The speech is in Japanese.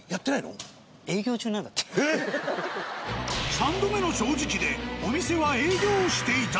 ３度目の正直でお店は営業していた。